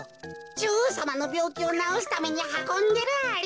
じょおうさまのびょうきをなおすためにはこんでるアリ。